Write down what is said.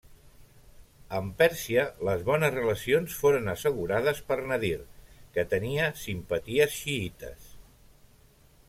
Amb Pèrsia les bones relacions foren assegurades per Nadir que tenia simpaties xiïtes.